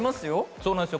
そうなんですよ